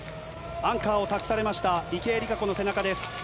アンカーを託されました池江璃花子の背中です。